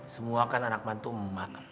semua kan anak mantu emak